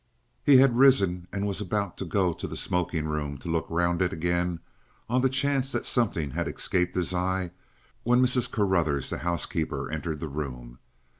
He had risen and was about to go to the smoking room to look round it again, on the chance that something had escaped his eye, when Mrs. Carruthers, the housekeeper, entered the room.